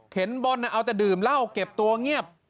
บอลเอาแต่ดื่มเหล้าเก็บตัวเงียบ